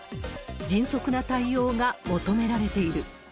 迅速な対応が求められている。